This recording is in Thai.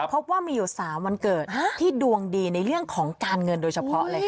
พบว่ามีอยู่๓วันเกิดที่ดวงดีในเรื่องของการเงินโดยเฉพาะเลยค่ะ